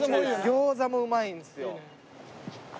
餃子もうまいんですよ。